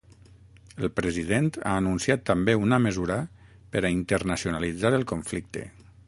El president ha anunciat també una mesura per a internacionalitzar el conflicte.